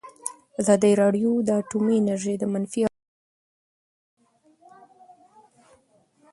ازادي راډیو د اټومي انرژي د منفي اړخونو یادونه کړې.